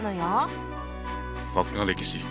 さすが歴史！